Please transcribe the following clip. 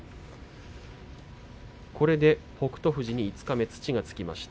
これで北勝富士に五日目土がつきました。